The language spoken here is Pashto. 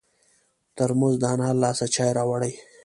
ترموز د انا له لاسه چای راوړي.